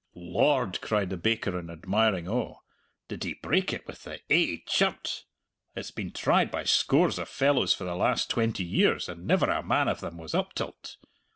"Lord!" cried the baker in admiring awe, "did he break it with the ae chirt! It's been tried by scores of fellows for the last twenty years, and never a man of them was up till't!